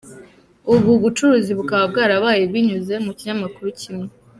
Ubu bucuruzi bukaba bwarabaye binyuze mu kinyamakuru kimwe.